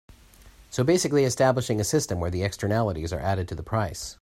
So basically establishing a system where the externalities are added to the price.